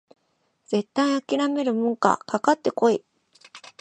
絶対あきらめるもんかかかってこい！